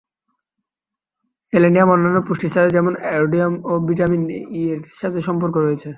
Selenium অন্যান্য পুষ্টির সাথে যেমন আয়োডিন এবং ভিটামিন ই এর সাথে সম্পর্ক রয়েছে।